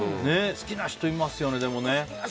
好きな人いますよね、でも。